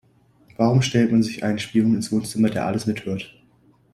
Warum stellt man sich einen Spion ins Wohnzimmer, der alles mithört?